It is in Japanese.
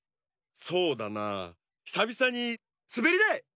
そうだなひさびさにすべりだい！